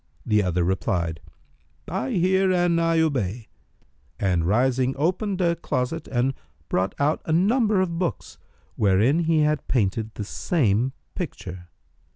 The other replied, "I hear and I obey," and rising, opened a closet and brought out a number of books, wherein he had painted the same picture.